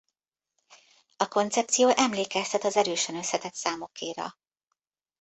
A koncepció emlékeztet az erősen összetett számokéra.